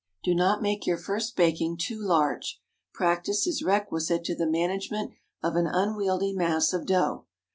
Do not make your first baking too large. Practice is requisite to the management of an unwieldy mass of dough.